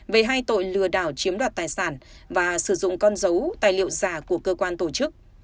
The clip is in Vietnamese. về hai tội lừa đảo chiếm đoạt tài sản và sử dụng con dấu tài liệu giả của cơ quan tổ chức